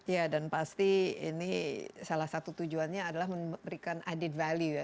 ya dan pasti ini salah satu tujuannya adalah memberikan added value ya